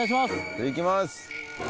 じゃあいきます。